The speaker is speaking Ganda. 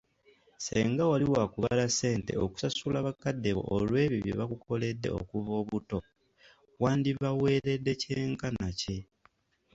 Singa wali waakubala ssente kusasula bakadde bo olwebyo bye bakukoledde okuva obuto, wandibaweeredde ky'enkana ki ?